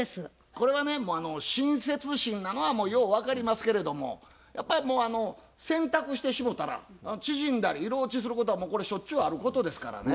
これはねもう親切心なのはよう分かりますけれどもやっぱり洗濯してしもうたら縮んだり色落ちすることはこれしょっちゅうあることですからね。